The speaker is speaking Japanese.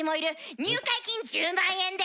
入会金１０万円で！